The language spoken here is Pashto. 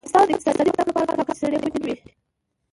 د افغانستان د اقتصادي پرمختګ لپاره پکار ده چې سړې خونې وي.